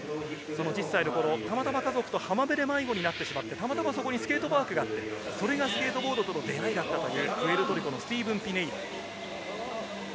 １０歳の頃、たまたま家族と浜辺で迷子になって、そこにスケートパークがあって、それがスケートボードとの出会いだったというプエルトリコのスティーブン・ピネイロ。